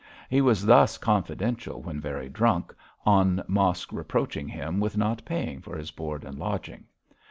He was thus confidential when very drunk, on Mosk reproaching him with not paying for his board and lodging.